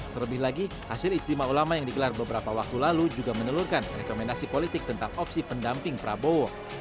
terlebih lagi hasil istimewa ulama yang dikelar beberapa waktu lalu juga menelurkan rekomendasi politik tentang opsi pendamping prabowo